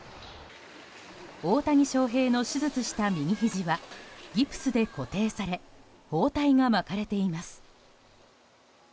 大谷翔平の手術した右ひじはギプスで固定され包帯が巻かれています。